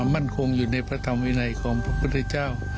มั่นคงอยู่ในพระธรรมวินัยของพระพุทธเจ้า